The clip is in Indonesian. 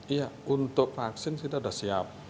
iya untuk vaksin kita sudah siap